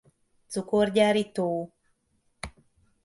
Cukorgyári tó.